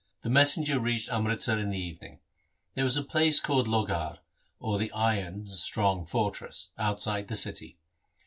The messenger reached Amritsar in the evening. There was a place called Lohgarh, or the iron (strong) fortress, outside the city.